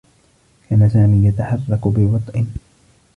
كان سامي يتحرّك ببطؤ.